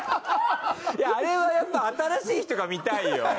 いやあれはやっぱ新しい人が見たいよ。